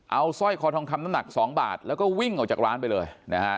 เอาสร้อยคอทองคำน้ำหนัก๒บาทแล้วก็วิ่งออกจากร้านไปเลยนะฮะ